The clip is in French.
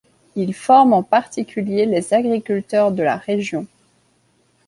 Il forme en particulier les agriculteurs de la région.